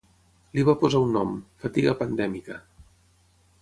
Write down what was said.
Li va posar un nom, fatiga pandèmica.